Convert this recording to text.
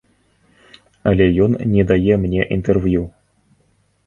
Але ён не дае мне інтэрв'ю.